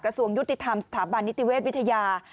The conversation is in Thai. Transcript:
กระทรวงยุติธรรมสถาบันนิติเวทย์วิทยา